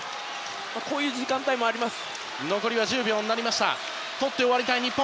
こういう時間帯もあります。